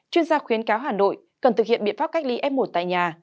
chuyên gia khuyến cáo hà nội cần thực hiện biện pháp cách ly f một tại nhà